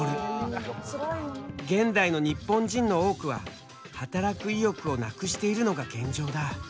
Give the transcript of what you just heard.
現代の日本人の多くは働く意欲をなくしているのが現状だ。